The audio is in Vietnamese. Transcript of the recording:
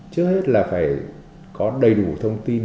trước hết là phải có đầy đủ thông tin